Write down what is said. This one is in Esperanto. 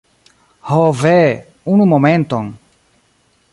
Ho, ve! Unu momenton.